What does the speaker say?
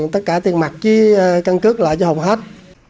tất cả tiền mặt chứ căn cức lại cho hùng hết